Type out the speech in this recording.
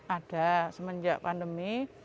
ada semenjak pandemi